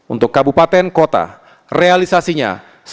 untuk kabupaten kota realisasinya satu ratus enam belas sembilan puluh delapan